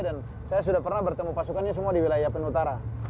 dan saya sudah pernah bertemu pasukannya semua di wilayah yapen utara